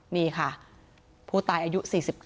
นี่ค่ะผู้ตายอายุ๔๙